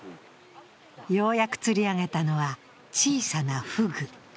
ようやく釣り上げたのは、小さなふぐ。